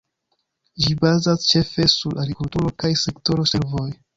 Ĝi bazas ĉefe sur agrikulturo kaj sektoro servoj.